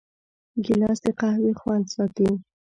ګیلاس د قهوې خوند ساتي.